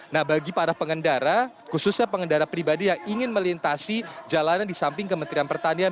nah bagi para pengendara khususnya pengendara pribadi yang ingin melintasi jalanan di samping kementerian pertanian